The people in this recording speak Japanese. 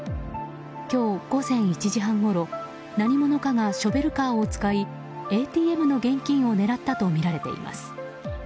今日午前１時半ごろ何者かがショベルカーを使いＡＴＭの現金を狙ったとみられています。